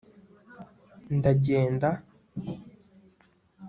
ndagenda